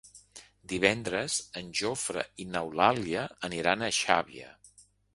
Divendres en Jofre i n'Eulàlia aniran a Xàbia.